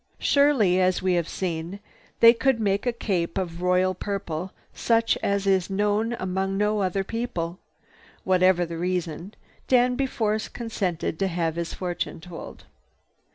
Surely, as we have seen, they could make a cape of royal purple such as is known among no other people. Whatever the reason, Danby Force consented to have his fortune told.